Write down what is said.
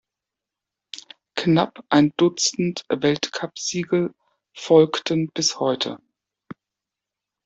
Knapp ein Dutzend Weltcupsiege folgten bis heute.